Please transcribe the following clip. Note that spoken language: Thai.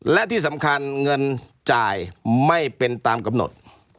และที่สำคัญเงินจ่ายไม่เป็นตามกำหนด